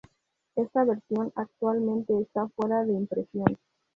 Esta versión actualmente está fuera de impresión.